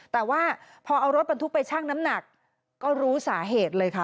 แต่ว่าพอเอารถบรรทุกไปชั่งน้ำหนักก็รู้สาเหตุเลยค่ะ